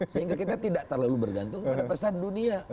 sehingga kita tidak terlalu bergantung pada pesan dunia